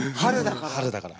春だから。